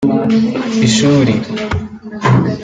ishuri